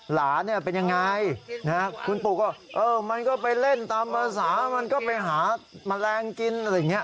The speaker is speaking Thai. หลานเนี่ยเป็นยังไงคุณปู่ก็มันก็ไปเล่นตามภาษามันก็ไปหาแมลงกินอะไรอย่างนี้